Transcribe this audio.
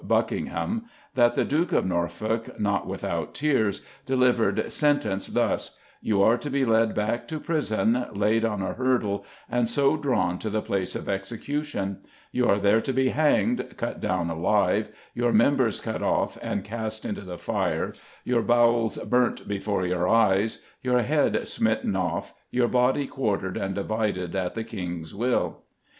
] Buckingham, that the Duke of Norfolk, not without tears, delivered sentence thus: "You are to be led back to prison, laid on a hurdle, and so drawn to the place of execution; you are there to be hanged, cut down alive, your members cut off and cast into the fire, your bowels burnt before your eyes, your head smitten off, your body quartered and divided at the King's will."